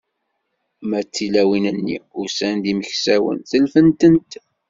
Ma d tilawin-nni, usan-d imeksawen, telfent-tent.